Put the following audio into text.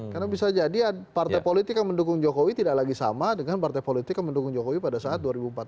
karena bisa jadi partai politik yang mendukung jokowi tidak lagi sama dengan partai politik yang mendukung jokowi pada saat dua ribu empat belas